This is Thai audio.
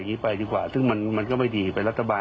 ในทุกวิตินะครับ